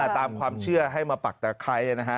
ตามความเชื่อให้มาปักตะไคร้นะฮะ